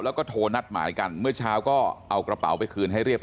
แล้วก็โทรนัดหมายกันเมื่อเช้าก็เอากระเป๋าไปคืนให้เรียบ